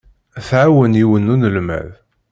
Tɛawen yiwen n unelmad.